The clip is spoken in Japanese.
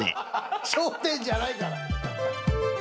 『笑点』じゃないから。